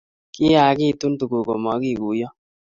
kiyaakitun tuguk ko makikuiyo